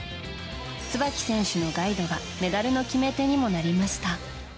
椿選手のガイドがメダルの決め手にもなりました。